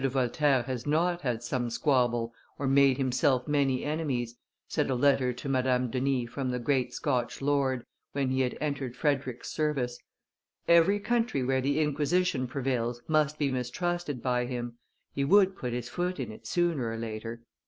de Voltaire has not had some squabble or made himself many enemies," said a letter to Madame Denis from the great Scotch lord, when he had entered Frederick's service: "every country where the Inquisition prevails must be mistrusted by him; he would put his foot in it sooner or later.